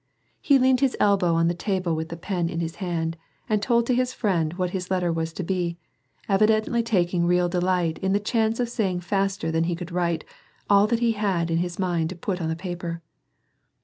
He leaned his elbow on the table, with the pen in his hand, and told to his friend what his letter was to be, evidently taking real delight in the chance of saying faster than he could write all that he had in his mind to put on the paper.